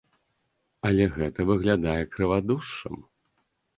Але гэта выглядае крывадушшам.